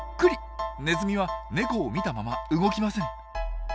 ネズミはネコを見たまま動きません。